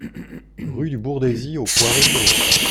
Rue du Bourdaisy au Poiré-sur-Vie